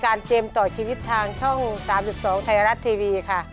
เกมต่อชีวิตทางช่อง๓๒ไทยรัฐทีวีค่ะ